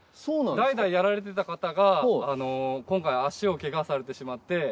代々やられてた方が今回足をケガされてしまって。